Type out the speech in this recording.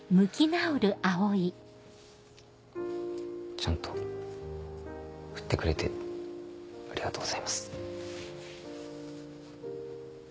ちゃんとふってくれてありがとうございます。